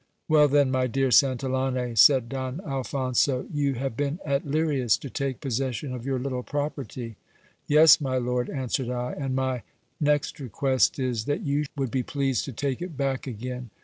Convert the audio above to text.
Well, then, my dear Santillane, said Don Alphonso, you have been at Lirias to take possession of your little property. Yes, my lord, answered I ; and my next request is, that you would be pleased to take it back again.